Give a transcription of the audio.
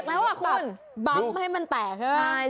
ต้องแบบบั๊บให้มันแตกใช่ไหม